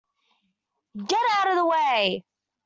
Get out of the way!